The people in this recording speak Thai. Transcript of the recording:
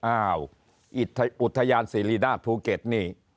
อ้าวอุทยานศิริราชภูเก็ตนี่